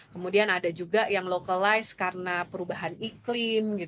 kemudian ada juga yang localize karena perubahan iklim